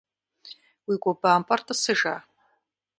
Уи гу бэмпӀар тӀысыжа?